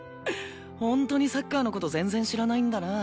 本当にサッカーの事全然知らないんだな。